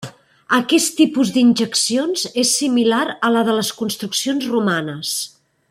Aquest tipus d'injeccions és similar al de les construccions romanes.